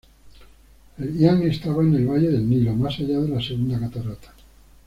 El Iam estaba en el valle del Nilo, más allá de la segunda catarata.